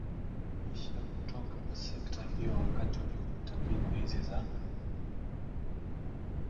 kusuluhisha kutoka kwa sekta hiyo Wakati uliopita mbinu hizi za